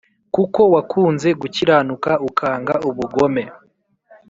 “Kuko wakunze gukiranuka ukanga ubugome